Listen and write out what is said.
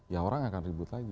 ya orang akan ribut lagi